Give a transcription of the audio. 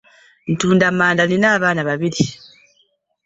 Ntunda manda, nnina abaana babiri.